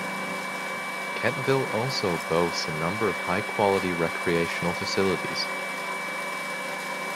Kentville also boasts a number of high quality recreational facilities.